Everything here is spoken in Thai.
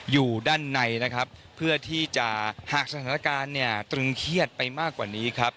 อยู่ด้านในเพื่อที่จะหากสถานการณ์ตรึงเครียดไปมากกว่านี้